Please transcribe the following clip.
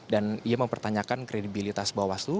dan ia mempertanyakan kredibilitas bahwa wastu